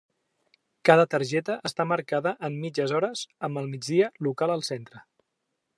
Cada targeta està marcada en mitges hores amb el migdia local al centre.